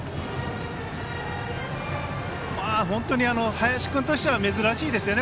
林君としては珍しいですよね